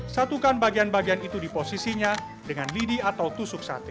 satukan bagian bagian itu di posisinya dengan lidi atau tusuk sate